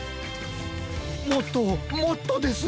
もっともっとです！